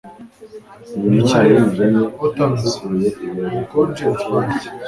niki ref, autans, ubukonje bitwaye iki